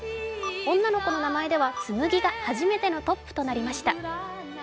女の子の名前では「紬」が初めてのトップとなりました。